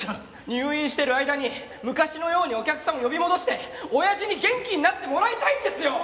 入院してる間に昔のようにお客さんを呼び戻して親父に元気になってもらいたいんですよ！！